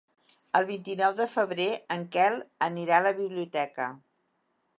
El vint-i-nou de febrer en Quel anirà a la biblioteca.